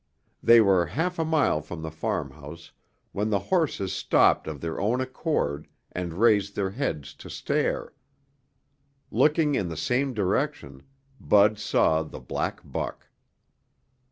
They were half a mile from the farmhouse when the horses stopped of their own accord and raised their heads to stare. Looking in the same direction, Bud saw the black buck.